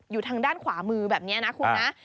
การ์ดขวามือแบบนี้นะคุณนะ